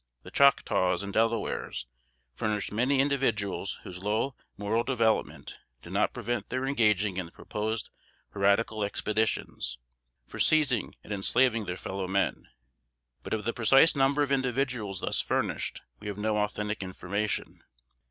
The Choctaws and Delawares furnished many individuals whose low moral development did not prevent their engaging in the proposed piratical expeditions, for seizing and enslaving their fellow men; but of the precise number of individuals thus furnished, we have no authentic information.